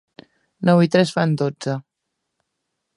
Nou i tres fan dotze.